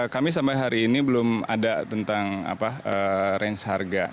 kami sampai hari ini belum ada tentang range harga